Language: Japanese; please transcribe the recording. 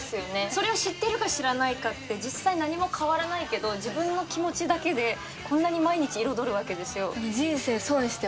それを知ってるか知らないかって実際何も変わらないけど自分の気持ちだけでこんなに毎日彩るわけですよ。